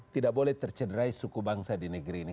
tidak boleh tercederai suku bangsa di negeri ini